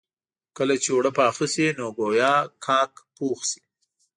کله چې اوړه پاخه شي نو ګويا کاک پوخ شي.